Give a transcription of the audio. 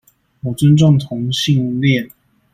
我尊重同性戀